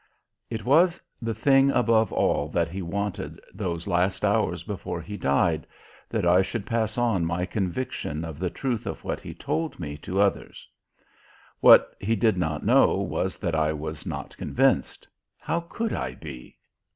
It was the thing above all that he wanted those last hours before he died that I should pass on my conviction of the truth of what he told me to others. What he did not know was that I was not convinced. How could I be?